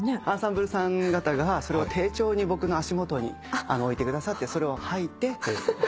アンサンブルさん方がそれを丁重に僕の足元に置いてくださってそれを履いて。